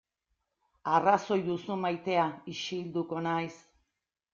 Arrazoi duzu maitea, isilduko naiz.